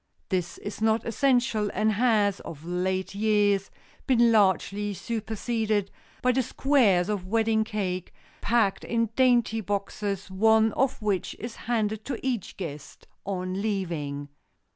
This is not essential and has, of late years, been largely superseded by the squares of wedding cake, packed in dainty boxes, one of which is handed to each guest on leaving.